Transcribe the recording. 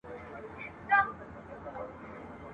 پر ښار به تر قیامته حسیني کربلا نه وي !.